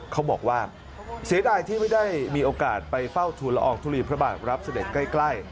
เขาบอกว่าเสียดายที่ไม่ได้มีโอกาสไปเฝ้าทุนละอองทุลีพระบาทรับเสด็จใกล้